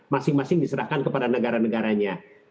masing masing diserahkan kepada negara negaranya